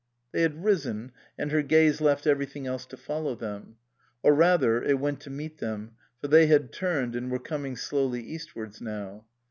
They had risen, and her gaze left everything else to follow them ; or rather, it went to meet them, for they had turned and were coming slowly eastwards now.